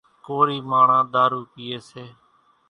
ڪورِي ماڻۿان ۮارُو پيئيَ سي۔